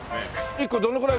１個どのくらい？